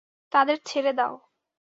তাদের ছেড়ে দাও।